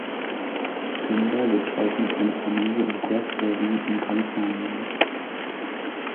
Pinder lebt heute mit seiner Familie in Grass Valley in Kalifornien.